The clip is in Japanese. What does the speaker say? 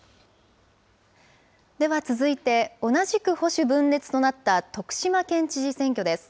では続いて、同じく保守分裂となった徳島県知事選挙です。